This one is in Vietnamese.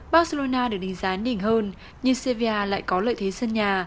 barcelona được đánh giá nỉnh hơn nhưng sevilla lại có lợi thế sân nhà